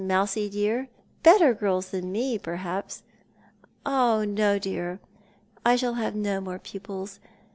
Mousey dear; better girls than me, perhaps." "No, dear, I shall have no more pupils.